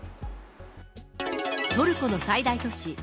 トルコの最大都市